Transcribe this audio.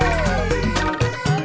semarang semarang semarang